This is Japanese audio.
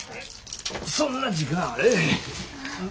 そんな時間あれへん。